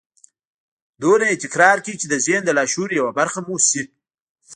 دومره يې تکرار کړئ چې د ذهن د لاشعور يوه برخه مو شي.